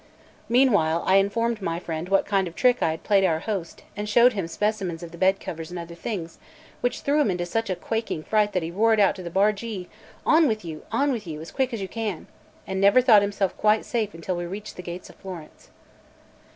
Meanwhile I informed my friend what kind of trick I had played our host, and showed him specimens of the bed covers and other things, which threw him into such a quaking fright that he roared out to the bargee: "On with you, on with you, as quick as you can!" and never thought himself quite safe until we reached the gates of Florence.